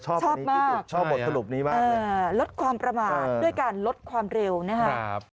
ชอบชอบมากชอบบทสรุปนี้มากลดความประมาทด้วยการลดความเร็วนะครับ